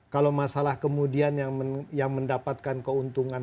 kalau masalah kemudian yang mendapatkan keuntungan